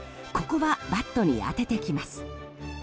ここはバットに当ててきます。